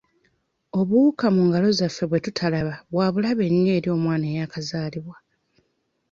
Obuwuka mu ngalo zaffe bwe tutalaba bwa bulabe nnyo eri omwana eyakazaalibwa.